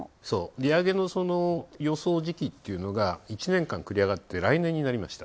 利上げの予想時期っていうのが１年間繰り上がって、来年になりました。